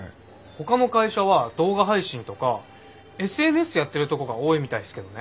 ほかの会社は動画配信とかＳＮＳやってるとこが多いみたいすけどね。